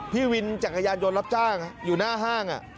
พี่วินจักรยานยนต์รับจ้างอยู่หน้าห้าง